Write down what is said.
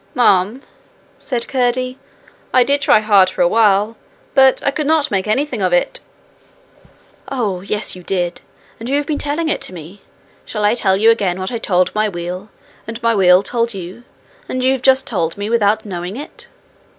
'Ma'am,' said Curdie, 'I did try hard for a while, but I could not make anything of it.' 'Oh yes, you did, and you have been telling it to me! Shall I tell you again what I told my wheel, and my wheel told you, and you have just told me without knowing it?'